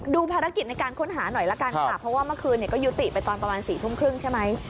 ดูภารกิจในการค้นหาหน่อยละกันค่ะเพราะว่าเมื่อคืนก็ยุติไปตอนประมาณ๔ทุ่มครึ่งใช่ไหม